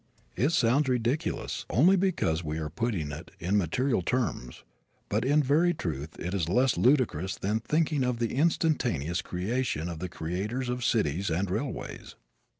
It sounds ridiculous only because we are putting it in material terms, but in very truth it is less ludicrous than thinking of the instantaneous creation of the creators of cities and railways.